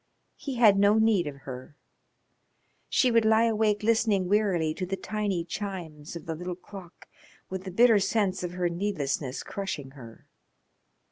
He had no need of her. She would lie awake listening wearily to the tiny chimes of the little clock with the bitter sense of her needlessness crushing her.